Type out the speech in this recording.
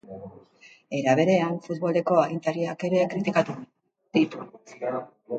Era berean, futboleko agintariak ere kritikatu ditu.